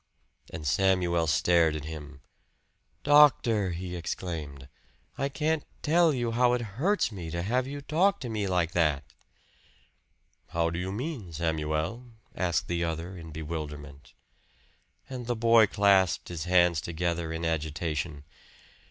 And Samuel stared at him. "Doctor!" he exclaimed. "I can't tell you how it hurts me to have you talk to me like that!" "How do you mean, Samuel?" asked the other in bewilderment. And the boy clasped his hands together in his agitation.